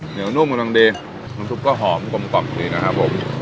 เหนียวนุ่มกว่าดังดีขนาดทุกข้าวหอมกลมกล่อมดีนะครับผม